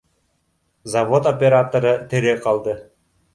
Завод операторы тере ҡалды